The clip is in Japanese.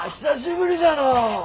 久しぶりじゃのう。